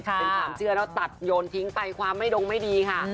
เป็นความเชื่อแล้วตัดโยนทิ้งไปความไม่ดงไม่ดีค่ะ